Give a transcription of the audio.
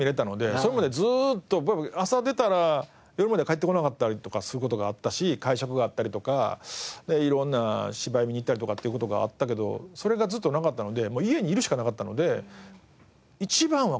それまでずーっと僕朝出たら夜まで帰ってこなかったりとかする事があったし会食があったりとかいろんな芝居見に行ったりとかっていう事があったけどそれがずっとなかったので家にいるしかなかったので。